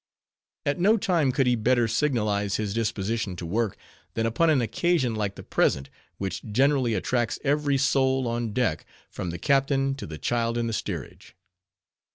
At no time could he better signalize his disposition to work, than upon an occasion like the present; which generally attracts every soul on deck, from the captain to the child in the steerage.